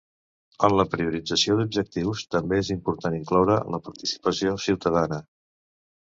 En la priorització d'objectius també és important incloure la participació ciutadana.